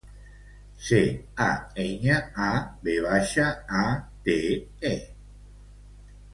Em dic Bru Cañavate: ce, a, enya, a, ve baixa, a, te, e.